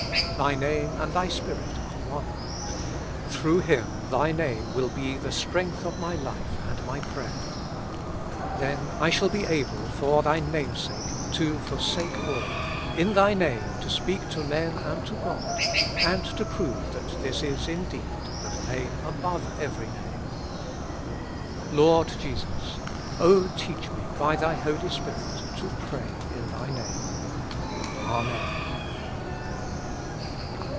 Thy Name and Thy Spirit are one ; through Him Thy Name will be the strength of my life and my prayer. Then I shall be able for Thy Name's sake to forsake all, in Thy Name to speak to men and to God, and to prove that this is indeed the Name above every name. Lord Jesus ! O teach me by Thy Holy Spirit to pray in Thy Name. Amen.